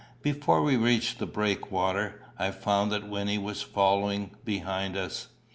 Before we reached the breakwater, I found that Wynnie was following behind us.